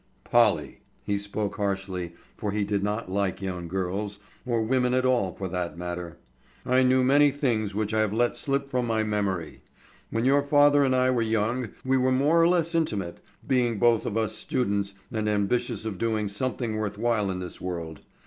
"Polly,"—he spoke harshly, for he did not like young girls, or women at all for that matter,—"I knew many things which I have let slip from my memory. When your father and I were young we were more or less intimate, being both of us students and ambitious of doing something worth while in this world.